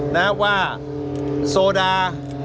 นะว่าโซดา